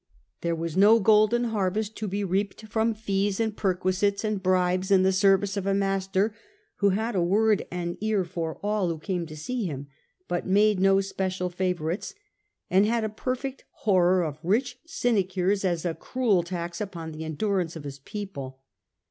There was no golden harvest to be reaped from fees and perquisites and bribes in the service of a master who had a word and ear for all who came to see him, but made no special favourites, and had a perfect horror of rich sinecures as a cruel tax upon the endurance of his people.